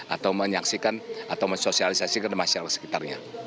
atau menyaksikan atau mensosialisasikan masyarakat sekitarnya